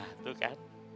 nah tuh kan